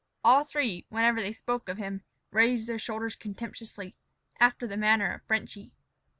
All three, whenever they spoke of him, raised their shoulders contemptuously, after the manner of "Frenchy."